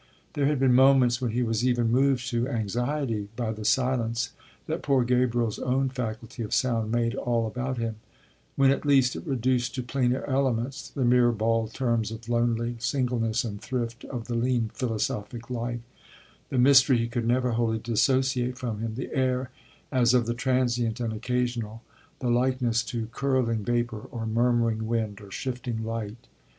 There had been moments when he was even moved to anxiety by the silence that poor Gabriel's own faculty of sound made all about him when at least it reduced to plainer elements (the mere bald terms of lonely singleness and thrift, of the lean philosophic life) the mystery he could never wholly dissociate from him, the air as of the transient and occasional, the likeness to curling vapour or murmuring wind or shifting light.